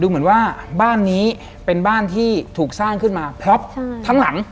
เหมือนว่าบ้านนี้เป็นบ้านที่ถูกสร้างขึ้นมาพล็อปทั้งหลัง